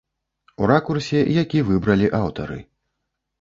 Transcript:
У ракурсе, які выбралі аўтары.